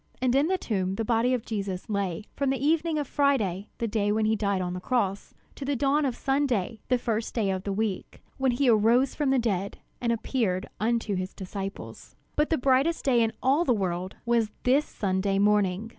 And in the tomb the body of Jesus lay from the evening of Friday, the day when he died on the cross, to the dawn of Sunday, the first day of the week, when he arose from the dead and appeared unto his disciples. But the brightest day in all the world was this Sunday morning.